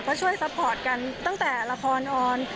ก็ช่วยซัพพอร์ตกันตั้งแต่ละครออน